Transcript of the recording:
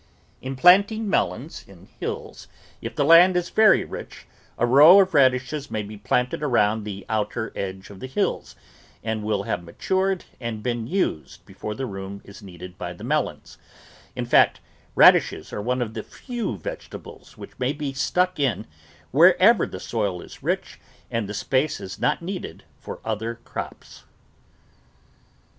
In planting melons in hills, if the land is very rich, a row of radishes may be planted around the outer edge of the hills, and will have matured and been used before the room is needed by the melons ; in fact radishes are one of the few vegetables which ROOT VEGETABLES may be stuck in wherever the soil is rich and the space is not needed for other crops.